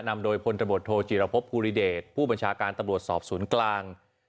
นำโดยพลตำรวจโทจิรพบภูริเดชผู้บัญชาการตำรวจสอบศูนย์กลาง